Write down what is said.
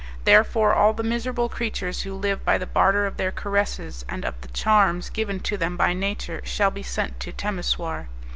Therefore, all the miserable creatures who live by the barter of their caresses and of the charms given to them by nature shall be sent to Temeswar.